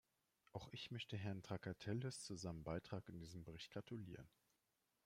Auch ich möchte Herrn Trakatellis zu seinem Beitrag in diesem Bericht gratulieren.